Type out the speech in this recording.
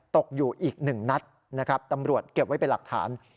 ตกอยู่อีก๑นัดนะครับตำรวจเก็บไว้เป็นหลักฐาน